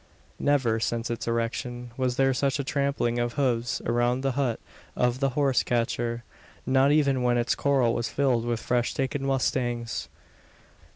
Never, since its erection, was there such a trampling of hoofs around the hut of the horse catcher not even when its corral was filled with fresh taken mustangs.